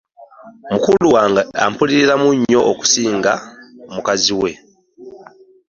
Mukulu wange ampuliriramu nnyo okusinga mukazi we.